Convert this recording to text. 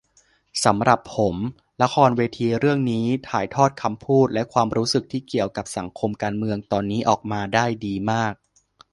สำหรับผมละครเวทีเรื่องนี้ถ่ายทอดคำพูด และความรู้สึกที่เกี่ยวกับสังคมการเมืองตอนนี้ออกมาได้ดีมาก